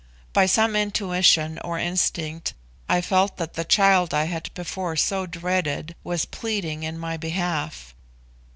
By some intuition or instinct I felt that the child I had before so dreaded was pleading in my behalf.